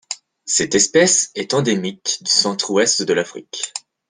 Cette espèce est endémique du centre-Ouest de l'Afrique.